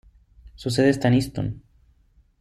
Su sede está en Easton.